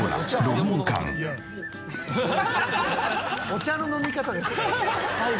お茶の飲み方ですから。